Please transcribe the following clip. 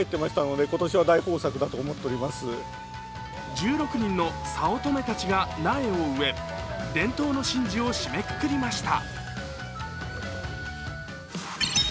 １６人の早乙女たちが苗を植え、伝統の神事を締めくくりました。